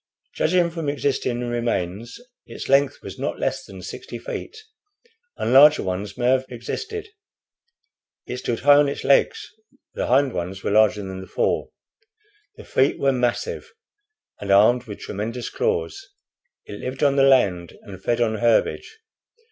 Judging from existing remains its length was not less than sixty feet, and larger ones may have existed. It stood high on its legs; the hind ones were larger than the fore. The feet were massive and armed with tremendous claws. It lived on the land and fed on herbage.